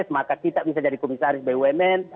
maka kita bisa jadi komisaris bumn